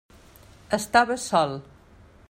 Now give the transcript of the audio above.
Estava sol.